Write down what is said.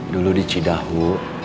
dulu di cidahu